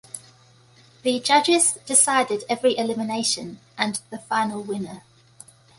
The judges decided every elimination, and the final winner.